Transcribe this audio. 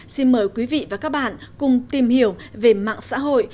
xin mời quý vị và các bạn cùng tìm hiểu về mạng xã hội